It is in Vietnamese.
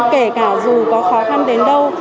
kể cả dù có khó khăn đến đâu